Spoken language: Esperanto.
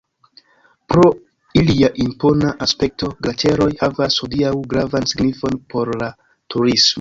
Pro ilia impona aspekto glaĉeroj havas hodiaŭ gravan signifon por la turismo.